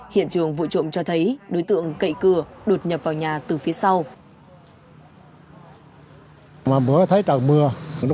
hiện trường vụ trộm cho thấy đối tượng cậy cửa đột nhập vào nhà từ phía sau